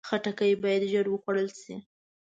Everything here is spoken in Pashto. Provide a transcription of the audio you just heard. خټکی باید ژر وخوړل شي.